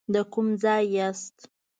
د کوم ځای یاست.